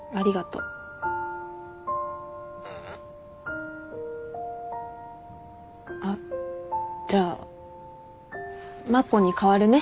ううん。あっじゃあ真子に代わるね。